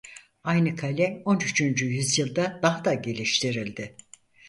Aynı kale on üçüncü yüzyılda daha da geliştirildi.